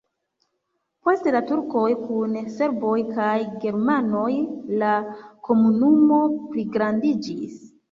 Post la turkoj kun serboj kaj germanoj la komunumo pligrandiĝis.